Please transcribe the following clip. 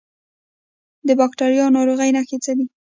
د باکتریایي ناروغیو نښې څه دي؟